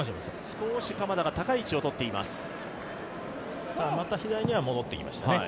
少し鎌田が高い位置をとっています。